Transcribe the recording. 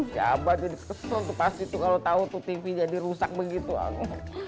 siapa jadi kesel pas itu kalau tahu tuh tv jadi rusak begitu aku